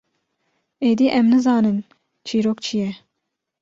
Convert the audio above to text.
êdî em nizanin çîrok çi ye.